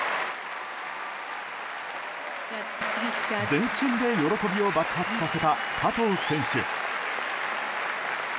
全身で喜びを爆発させた加藤選手。